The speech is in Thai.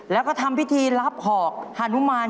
แล้วก็ทำพิธีรับหอกฮานุมาน